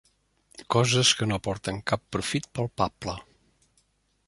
Coses que no porten cap profit palpable.